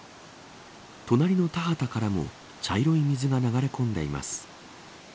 隣の田畑からも茶色い水が流れ込んでいます。